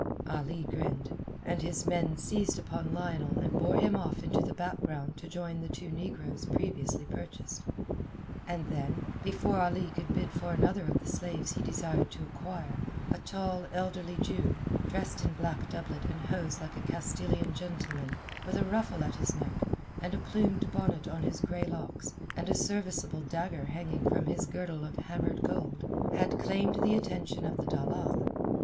Ali grinned, and his men seized upon Lionel and bore him off into the background to join the two negroes previously purchased. And then, before Ali could bid for another of the slaves he desired to acquire, a tall, elderly Jew, dressed in black doublet and hose like a Castilian gentleman, with a ruffle at his neck, a plumed bonnet on his grey locks, and a serviceable dagger hanging from his girdle of hammered gold, had claimed the attention of the dalal.